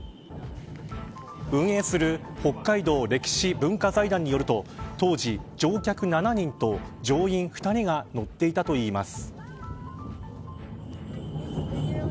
運営する北海道歴史文化財団によると当時乗客７人と乗員２人が乗っていたといいます。